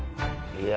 いや。